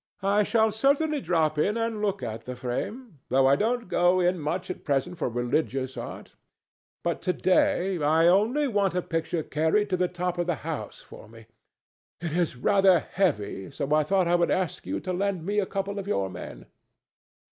I shall certainly drop in and look at the frame—though I don't go in much at present for religious art—but to day I only want a picture carried to the top of the house for me. It is rather heavy, so I thought I would ask you to lend me a couple of your men."